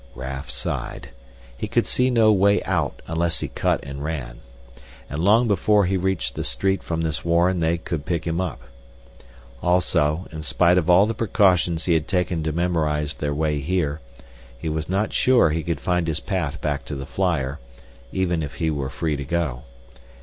Raf sighed. He could see no way out unless he cut and ran. And long before he reached the street from this warren they could pick him up. Also, in spite of all the precautions he had taken to memorize their way here, he was not sure he could find his path back to the flyer, even if he were free to go.